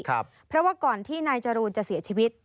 เพราะว่าก่อนที่นายจรูนจะเสียชีวิต